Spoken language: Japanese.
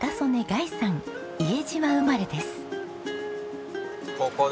伊江島生まれです。